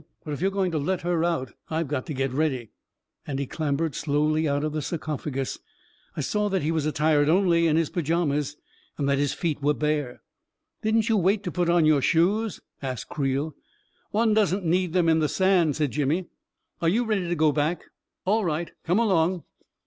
But if you are going to let her out, I've got to get ready I " and he clambered slowly out of the sarcophagus. I saw that he was attired only in his pajamas, and that his feet were bare. " Didn't you wait to put on your shoes ?" asked Creel. " One doesn't need them in the sand," said Jimmy. " Are you ready to go back ? All right, come along!